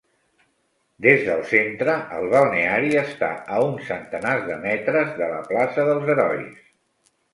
Des del centre, el balneari està a uns centenars de metres de la plaça dels Herois.